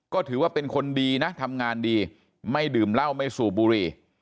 ก็ถือว่าเป็นคนดีนะทำงานดีไม่ดื่มเหล้าไม่สูบบุหรี่